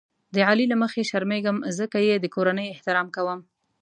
د علي له مخې شرمېږم ځکه یې د کورنۍ احترام کوم.